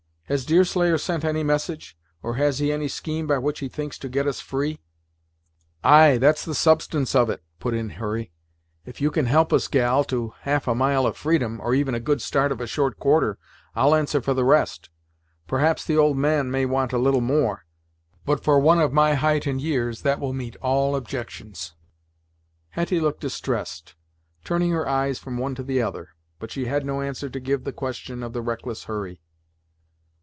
Has Deerslayer sent any message; or has he any scheme by which he thinks to get us free?" "Ay, that's the substance of it!" put in Hurry. "If you can help us, gal, to half a mile of freedom, or even a good start of a short quarter, I'll answer for the rest. Perhaps the old man may want a little more, but for one of my height and years that will meet all objections." Hetty looked distressed, turning her eyes from one to the other, but she had no answer to give to the question of the reckless Hurry.